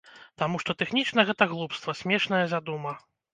Таму што тэхнічна гэта глупства, смешная задума.